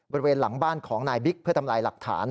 บริเวณหลังบ้านของนายบิ๊กเพื่อทำลายหลักฐาน